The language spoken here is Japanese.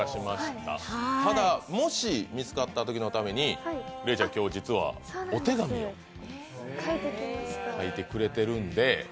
ただもし見つかったときのために、レイちゃん今日、実はお手紙を書いてくれているので。